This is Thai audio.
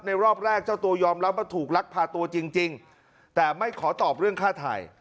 รอบแรกเจ้าตัวยอมรับว่าถูกลักพาตัวจริงแต่ไม่ขอตอบเรื่องค่าถ่าย